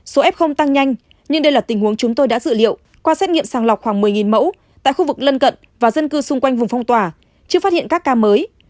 số f tăng nhanh nhưng đây là tình huống chúng tôi đã dự liệu qua xét nghiệm sàng lọc khoảng một mươi mẫu tại khu vực lân cận và dân cư xung quanh vùng phong tỏa chưa phát hiện các ca mới